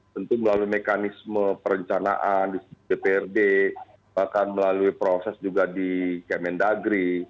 tentu melalui mekanisme perencanaan di jprd bahkan melalui proses juga di kmn dagri